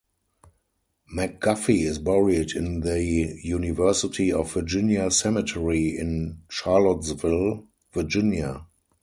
McGuffey is buried in the University of Virginia Cemetery, in Charlottesville, Virginia.